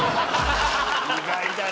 意外だね。